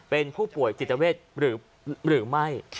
เป็นผู้ป่วยจิตเวทหรือไม่